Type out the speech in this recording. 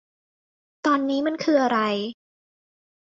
ตอนนี้มันคืออะไร